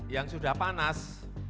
yang sudah panas